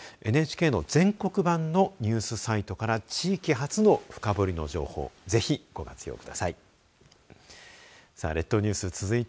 ＮＨＫの全国版のニュースサイトから地域発の深堀の情報をぜひご活用ください。